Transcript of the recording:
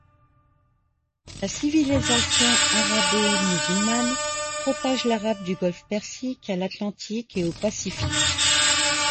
La civilisation arabo-musulmane propage l’arabe du Golfe Persique à l’Atlantique et au Pacifique.